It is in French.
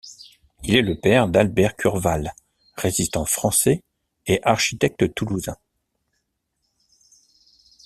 Il est le père d'Albert Curvale, résistant français et architecte toulousain.